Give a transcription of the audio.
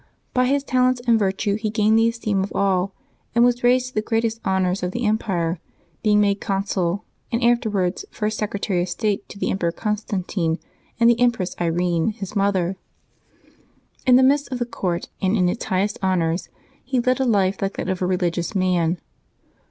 By his talents and virtue he gained the esteem of all, and was raised to the greatest honors of the empire, being made consul, and afterwards first secre tary of state to the Emperor Constantine and the Empress Irene, his mother. In the midst of the court, and in its highest honors, he led a life like that of a religious man.